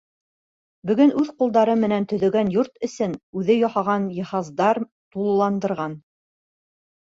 Бөгөн үҙ ҡулдары менән төҙөгән йорт эсен үҙе яһаған йыһаздар тулыландырған.